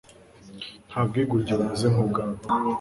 nta bwigunge bumeze nk'ubwabo